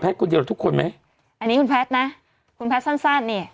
คนเดียวกับทุกคนไหมอันนี้คุณแพทย์นะคุณแพทย์สั้นสั้นนี่